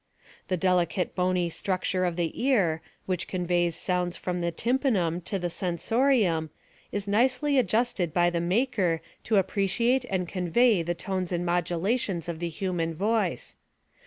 The delicate bony structure of the ear, which conveys sounds from the tympanum to the sensorium, is nicely adjusted by the Maker to appreciate and convey the tones and modulations of the human voice.